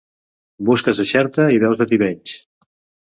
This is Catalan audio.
Busques a Xerta i veus a Tivenys.